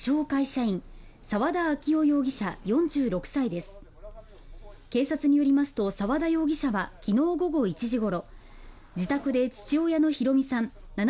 会社員澤田明雄容疑者４６歳です警察によりますと澤田容疑者はきのう午後１時ごろ自宅で父親の弘美さん